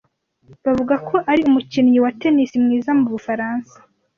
Bavuga ko ari umukinnyi wa tennis mwiza mu Bufaransa.